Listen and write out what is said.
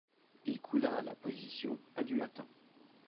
Il coula à la position , à du matin.